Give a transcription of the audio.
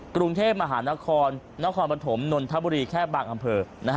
กรุงเทพมหานครนครปฐมนนทบุรีแค่บางอำเภอ